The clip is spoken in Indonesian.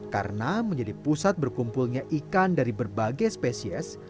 karena menjadi pusat berkumpulnya ikan dari berbagai spesies